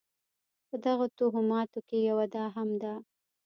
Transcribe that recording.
په دغو توهماتو کې یوه دا هم ده.